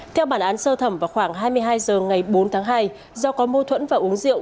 theo bản án sơ thẩm vào khoảng hai mươi hai h ngày bốn tháng hai do có mâu thuẫn và uống rượu